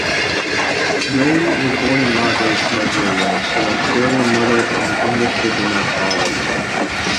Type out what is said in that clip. Reyne was born in Lagos, Nigeria to an Australian mother and English diplomat father.